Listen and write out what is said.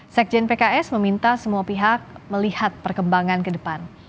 sekjen pks meminta semua pihak melihat perkembangan ke depan